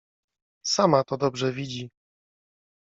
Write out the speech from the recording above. — Sama to dobrze widzi.